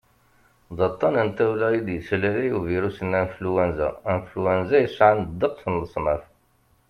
d aṭṭan n tawla i d-yeslalay ubirus n anflwanza influenza yesɛan ddeqs n leṣnaf